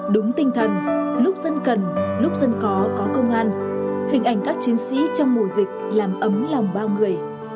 đúng tinh thần lúc dân cần lúc dân khó có công an hình ảnh các chiến sĩ trong mùa dịch làm ấm lòng bao người